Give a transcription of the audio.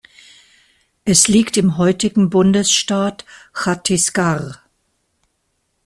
Es liegt im heutigen Bundesstaat Chhattisgarh.